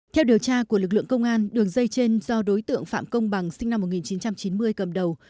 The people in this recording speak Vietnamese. theo điều tra của lực lượng công an đường dây trên do đối tượng phạm công bằng sinh năm một nghìn chín trăm chín mươi cầm đầu